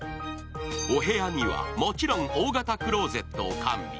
お部屋にはもちろん大型クローゼットも完備。